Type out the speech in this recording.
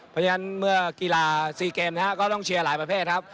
เพราะฉะนั้นเมื่อกีฬา๔เกมนะครับก็ต้องเชียร์หลายประเภทครับ